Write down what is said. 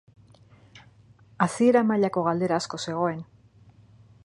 Hasiera mailako galdera asko zegoen.